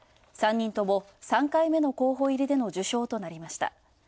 ３人とも３回目の候補入りでの受賞となりました。